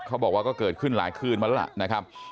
เขาบอกว่าก็เกิดขึ้นหลายคืนมาแล้วล่ะนะครับ